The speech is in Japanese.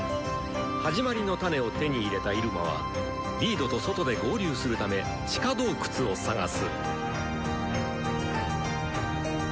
「始まりのタネ」を手に入れたイルマはリードと外で合流するため地下洞窟を探す。